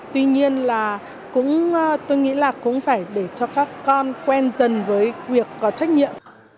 tuy nhiên là tôi nghĩ là cũng phải để cho các con quen dần với việc có trách nhiệm